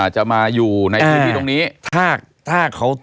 จะมาอยู่ในที่ที่ตรงนี้